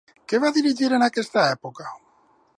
Què va dirigir en aquesta època?